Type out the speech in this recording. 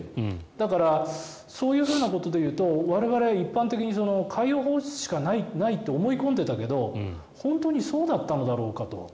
だから、そういうことで言うと我々一般的に海洋放出しかないと思い込んでいたけど本当にそうだったのだろうかと。